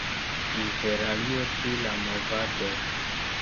Interalie pri la movado.